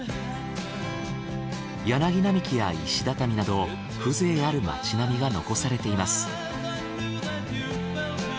柳並木や石畳など風情ある町並みが残されています。